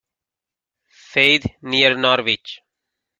Faith, near Norwich.